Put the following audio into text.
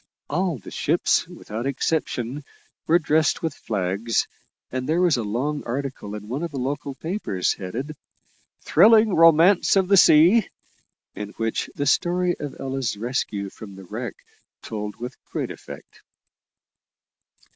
All the ships, without exception, were dressed with flags, and there was a long article in one of the local papers headed, "Thrilling Romance of the Sea," in which the story of Ella's rescue from the wreck told with great effect.